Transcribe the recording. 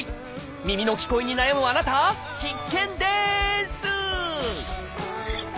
耳の聞こえに悩むあなた必見です！